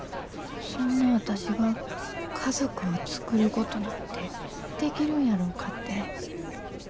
そんな私が家族を作ることなんてできるんやろうかって。